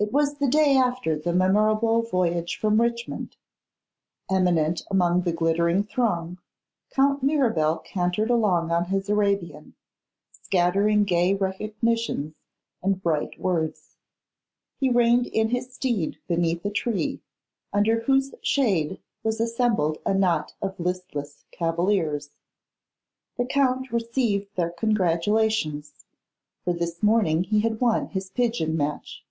It was the day after the memorable voyage from Richmond. Eminent among the glittering throng, Count Mirabel cantered along on his Arabian, scattering gay recognitions and bright words. He reined in his steed beneath a tree, under whose shade was assembled a knot of listless cavaliers. The Count received their congratulations, for this morning he had won his pigeon match.